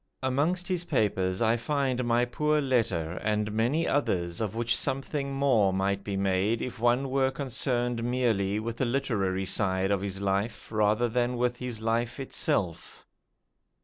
Amongst his papers I find my poor letter, and many others of which something more might be made if one were concerned merely with the literary side of his life rather than with his life itself.